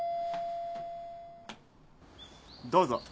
・どうぞ。